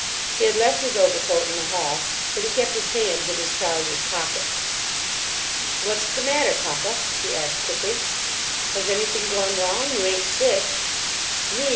He had left his overcoat in the hall, but he kept his hands in his trousers pockets. "What's the matter, papa?" she asked, quickly. "Has anything gone wrong? You ain't sick?" "Me!"